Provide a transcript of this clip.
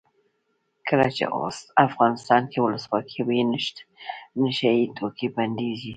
کله چې افغانستان کې ولسواکي وي نشه یي توکي بندیږي.